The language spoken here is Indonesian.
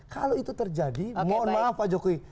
kalau itu terjadi mohon maaf pak jokowi